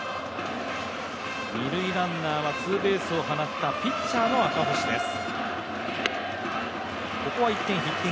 二塁ランナーはツーベースを放ったピッチャーの赤星です。